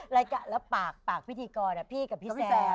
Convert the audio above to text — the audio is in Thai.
รับปากพิธีกรพี่กับพี่แซม